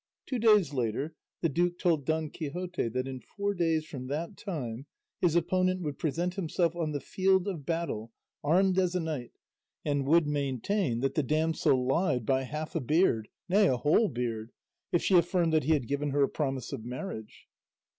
Two days later the duke told Don Quixote that in four days from that time his opponent would present himself on the field of battle armed as a knight, and would maintain that the damsel lied by half a beard, nay a whole beard, if she affirmed that he had given her a promise of marriage.